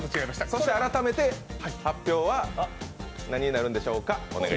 そして改めて発表は何になるんでしょうか。